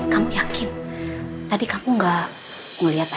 kamu yakin tadi kamu nggak dengar suara bunda